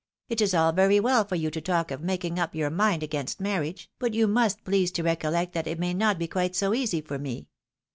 "It is all very well for you to talk of making up your mind against marriage, but you must please to recoUeet that it may not be quite so easy for me.